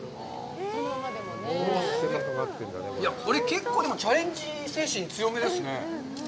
これ、結構、チャレンジ精神、強めですね。